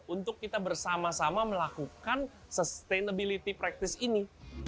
untuk kita bersama sama melakukan sustainability practice ini